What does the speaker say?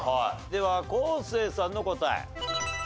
では昴生さんの答え。